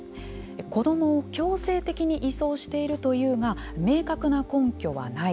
子どもを強制的に移送しているというが明確な根拠はない。